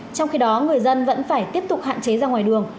trong khi đó người dân vẫn phải tiếp tục hạn chế ra ngoài đường